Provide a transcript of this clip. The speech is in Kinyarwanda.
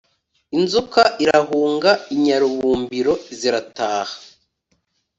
Inzoka irahunga, inyarubumbiro zirataha